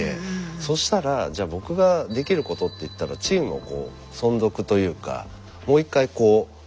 そしたらじゃあ僕ができることっていったらチームの存続というかもう一回こう。